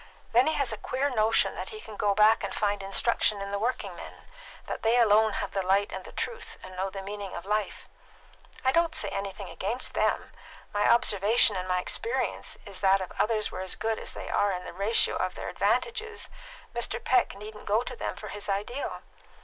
Then he has a queer notion that he can go back and find instruction in the working men that they alone have the light and the truth, and know the meaning of life. I don't say anything against them. My observation and my experience is that if others were as good as they are in the ratio of their advantages, Mr. Peck needn't go to them for his ideal.